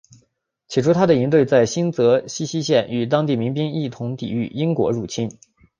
最初他的营队在新泽西西线与当地民兵一同抵御的英国入侵。